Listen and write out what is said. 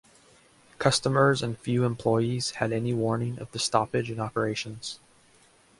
Customers and few employees had any warning of the stoppage in operations.